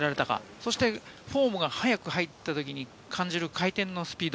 そしてフォームが早く入ったときに感じる回転のスピード。